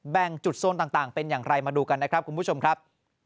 จุดโซนต่างเป็นอย่างไรมาดูกันนะครับคุณผู้ชมครับ